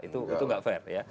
itu nggak fair